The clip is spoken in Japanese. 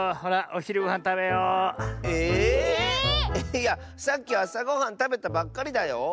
いやさっきあさごはんたべたばっかりだよ！